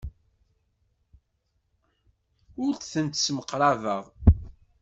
Ur tent-ssemqrabeɣ.